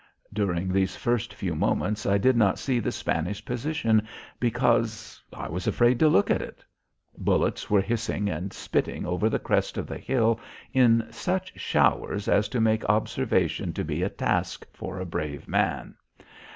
During these first few moments I did not see the Spanish position because I was afraid to look at it. Bullets were hissing and spitting over the crest of the ridge in such showers as to make observation to be a task for a brave man.